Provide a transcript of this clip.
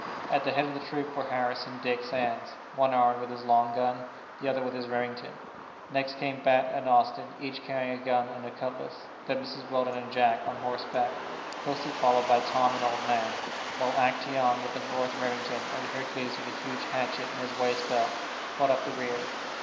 At the head of the troop were Harris and Dick Sands, one armed with his long gun, the other with his Remington; next came Bat and Austin, each carrying a gun and a cutlass, then Mrs. Weldon and Jack, on horseback, closely followed by Tom and old Nan, while Actæon with the fourth Remington, and Hercules with a huge hatchet in his waist belt, brought up the rear.